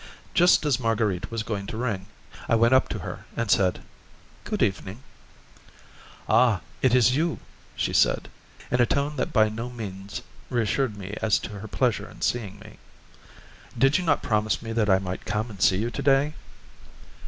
Just as Marguerite was going to ring, I went up to her and said, "Good evening." "Ah, it is you," she said, in a tone that by no means reassured me as to her pleasure in seeing me. "Did you not promise me that I might come and see you to day?"